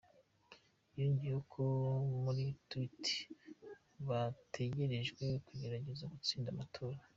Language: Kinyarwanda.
Yongeyeko ko, muri Twitt: "Botegerejwe kugerageza gutsinda amatora.